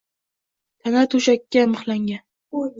Tana to'shakka mixlangan